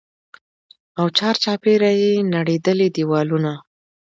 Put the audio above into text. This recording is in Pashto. او چارچاپېره يې نړېدلي دېوالونه.